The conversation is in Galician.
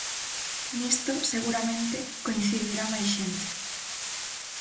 Nisto, seguramente, coincidirá máis xente.